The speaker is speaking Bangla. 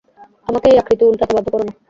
আমাকে এই আকৃতি উল্টাতে বাধ্য করো না।